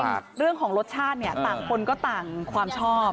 เรื่องของรสชาติเนี่ยต่างคนก็ต่างความชอบ